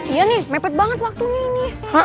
iya nih mepet banget waktunya ini